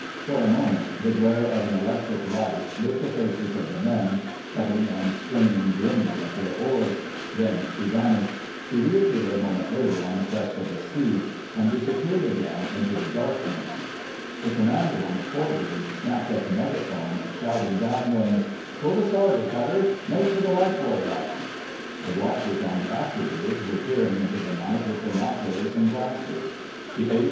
For a moment the glare of an electric light lit the faces of the men, tugging and straining grimly at their oars; then she vanished, to reappear a moment later on the crest of a sea, and disappeared again into the darkness. [#] Any one near the boat responds to the call "Away Life boat's crew!" The Commander on the fore bridge snatched up a megaphone, shouting down wind— "Pull to starboard, cutter! Make for the life buoy light!" The watchers on the after bridge were peering into the night with binoculars and glasses. The A.